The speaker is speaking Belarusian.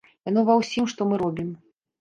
Яно ва ўсім, што мы робім.